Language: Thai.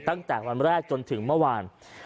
ตั้งแต่วันแรกจนถึงเมื่อวาน